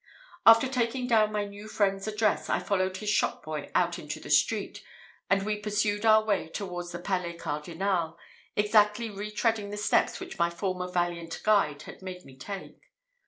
After taking down my new friend's address, I followed his shop boy out into the street, and we pursued our way towards the Palais Cardinal, exactly retreading the steps which my former valiant guide had made me take.